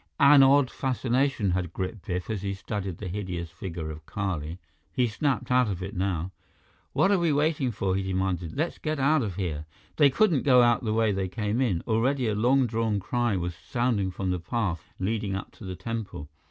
An odd fascination had gripped Biff as he studied the hideous figure of Kali. He snapped out of it now. "What are we waiting for?" he demanded. "Let's get out of here!" They couldn't go out the way they had come in. Already, a long drawn cry was sounding from the path leading up to the temple.